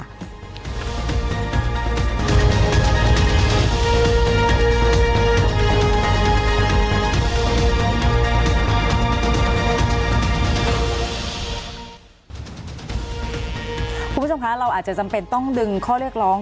คุณผู้ชมคะเราอาจจะจำเป็นต้องดึงข้อเรียกร้อง